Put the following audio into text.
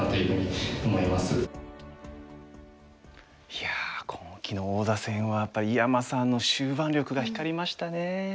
いや今期の王座戦はやっぱり井山さんの終盤力が光りましたね。